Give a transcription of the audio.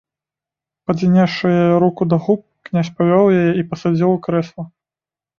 Паднёсшы яе руку да губ, князь павёў яе і пасадзіў у крэсла.